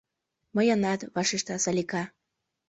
— Мыйынат, — вашешта Салика.